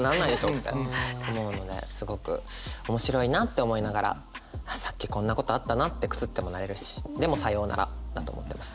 みたいに思うのですごく面白いなって思いながらあっさっきこんなことあったなってクスってもなれるしでもさようならだと思ってます。